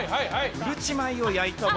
うるち米を焼いたもの。